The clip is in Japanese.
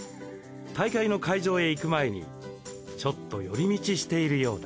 大会の会場へ行く前にちょっと寄り道しているようだ